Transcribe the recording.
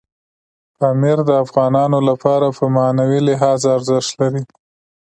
پامیر د افغانانو لپاره په معنوي لحاظ ارزښت لري.